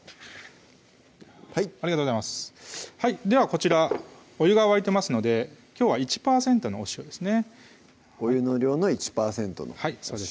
はいありがとうございますではこちらお湯が沸いてますのできょうは１％のお塩ですねお湯の量の１％のはいそうです